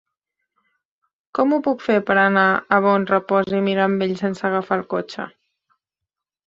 Com ho puc fer per anar a Bonrepòs i Mirambell sense agafar el cotxe?